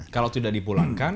kalau tidak dipulangkan